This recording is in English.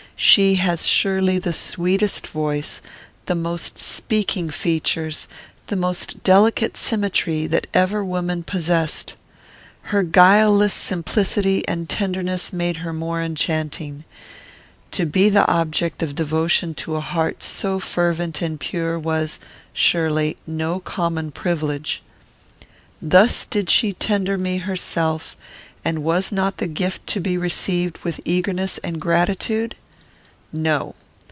She has surely the sweetest voice, the most speaking features, and most delicate symmetry, that ever woman possessed. Her guileless simplicity and tenderness made her more enchanting. To be the object of devotion to a heart so fervent and pure was, surely, no common privilege. Thus did she tender me herself; and was not the gift to be received with eagerness and gratitude?